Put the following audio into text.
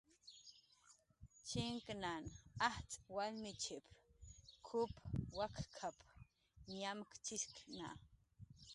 "Chinknhan ajtz' wallmichp"" kup wak'k""ap"" ñamk""cx'ishkna"